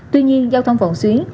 tuy nhiên giao thông vòng xuyến